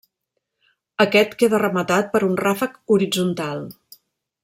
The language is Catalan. Aquest queda rematat per un ràfec horitzontal.